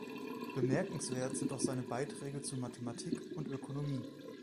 Bemerkenswert sind auch seine Beiträge zu Mathematik und Ökonomie.